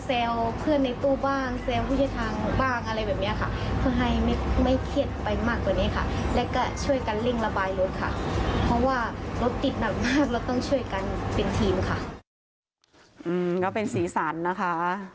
แซวเพื่อนในตู้บ้างแซวผู้ใช้ทางบ้างอะไรแบบเงี้ยค่ะ